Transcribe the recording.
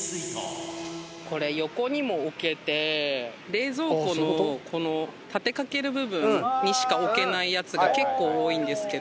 冷蔵庫のこの立てかける部分にしか置けないやつが結構多いんですけど。